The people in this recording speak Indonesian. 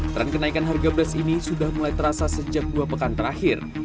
tren kenaikan harga beras ini sudah mulai terasa sejak dua pekan terakhir